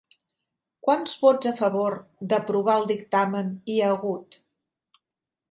Quants vots a favor d'aprovar el dictamen hi ha hagut?